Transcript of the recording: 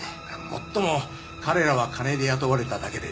最も彼らは金で雇われただけで。